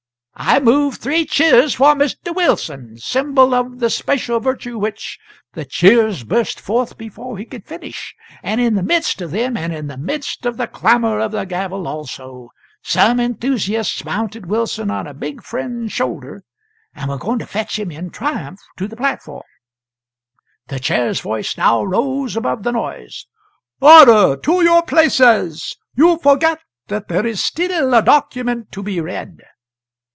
"I move three cheers for Mr. Wilson, Symbol of the special virtue which " The cheers burst forth before he could finish; and in the midst of them and in the midst of the clamour of the gavel also some enthusiasts mounted Wilson on a big friend's shoulder and were going to fetch him in triumph to the platform. The Chair's voice now rose above the noise: "Order! To your places! You forget that there is still a document to be read."